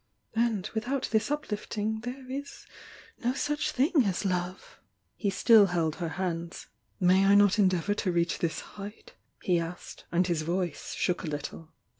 And without this uplifting there is no such th'ig as Love" He stdl held her hands. "May I not endeavour to reach this height?" he asked, and his voice shook a little.